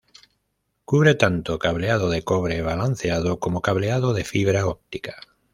Cubre tanto cableado de cobre balanceado como cableado de fibra óptica.